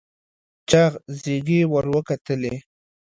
چاغ زيږې ور وکتلې.